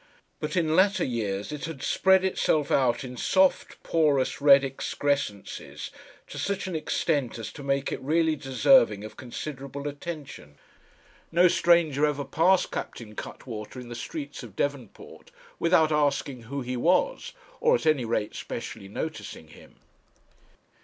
But in latter years it had spread itself out in soft, porous, red excrescences, to such an extent as to make it really deserving of considerable attention. No stranger ever passed Captain Cuttwater in the streets of Devonport without asking who he was, or, at any rate, specially noticing him.